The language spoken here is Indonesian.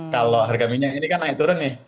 kalau harga minyak ini kan naik turun nih